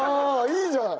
いいじゃん！